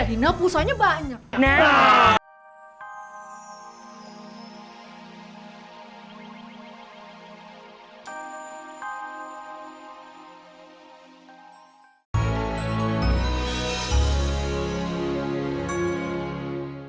dina pusanya banyak